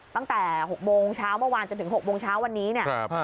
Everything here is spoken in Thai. ตั้งแต่๖โมงเช้าเมื่อวานจนถึง๖โมงเช้าวันนี้เนี่ย